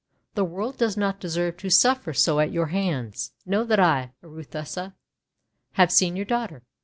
The world does not deserve to suffer so at your hands! "Know that I, Arethusa, have seen your daughter.